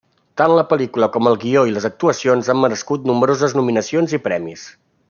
Tant la pel·lícula com el guió i les actuacions han merescut nombroses nominacions i premis.